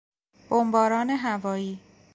بمباران هوایی